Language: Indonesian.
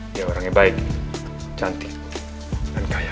dia orang yang baik cantik dan kaya